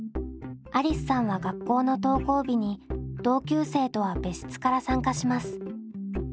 ありすさんは学校の登校日に同級生とは別室から参加します。